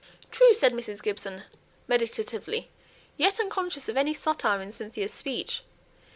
"True!" said Mrs. Gibson, meditatively, yet unconscious of any satire in Cynthia's speech.